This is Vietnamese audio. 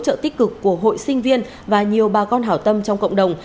đây là sự tích cực của hội sinh viên và nhiều bà con hảo tâm trong cộng đồng